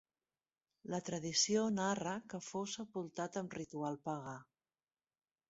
La tradició narra que fou sepultat amb un ritual pagà.